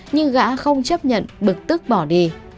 nhưng gã không chấp nhận bực tức bỏ đi